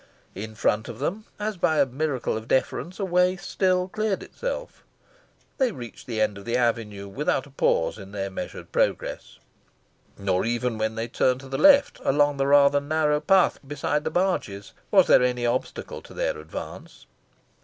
In front of them, as by a miracle of deference, a way still cleared itself. They reached the end of the avenue without a pause in their measured progress. Nor even when they turned to the left, along the rather narrow path beside the barges, was there any obstacle to their advance.